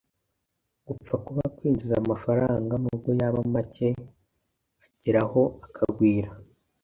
gapfa kuba kinjiza amafaranga n’ubwo yaba make ageraho akagwira